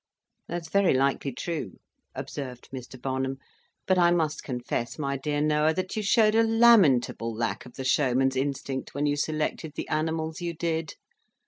"That's very likely true," observed Mr. Barnum; "but I must confess, my dear Noah, that you showed a lamentable lack of the showman's instinct when you selected the animals you did.